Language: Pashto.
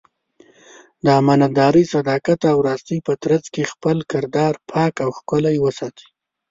د امانتدارۍ، صداقت او راستۍ په ترڅ کې خپل کردار پاک او ښکلی وساتي.